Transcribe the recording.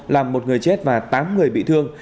làm một người chết và tám người bị thương